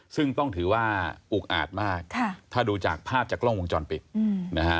ซึ่งต้องถือว่าอุกอาจมากถ้าดูจากภาพจากกล้องวงจรปิดนะฮะ